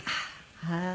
はい。